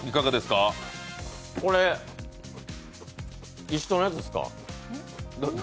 これ、一緒のやつですか？